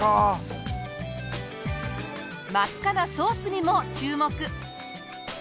真っ赤なソースにも注目。